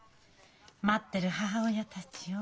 待ってる母親たちを。